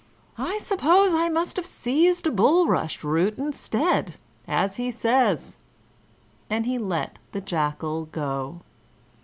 I suppose I must have seized a bulrush root instead, as he says," and he let the Jackal go.